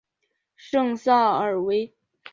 圣萨尔维。